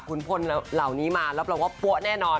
คุณพลเหล่านี้มารับรองว่าปั๊วแน่นอน